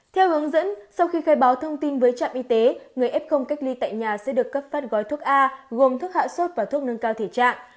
theo hướng dẫn sau khi khai báo thông tin với trạm y tế người f cách ly tại nhà sẽ được cấp phát gói thuốc a gồm thức hạ sốt và thuốc nâng cao thể trạng